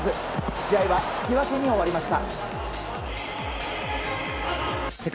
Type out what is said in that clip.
試合は引き分けに終わりました。